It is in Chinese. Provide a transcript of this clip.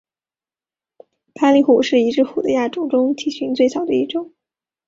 巴厘虎是已知虎的亚种中体型最小的一种。